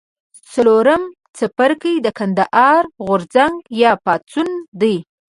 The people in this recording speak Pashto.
څلورم څپرکی د کندهار غورځنګ یا پاڅون دی.